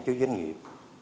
cho doanh nghiệp